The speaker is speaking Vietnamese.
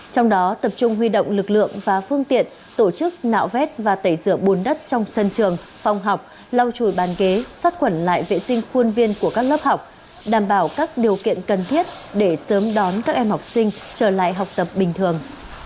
trong đó tập trung huy động lực lượng và phương tiện tổ chức nạo vét và tẩy rửa bùn đất trong sân trường phòng học lau chùi bàn ghế sát quẩn lại vệ sinh khuôn viên của các lớp học đảm bảo các điều kiện cần thiết để sớm đón các em học sinh trở lại học tập bình thường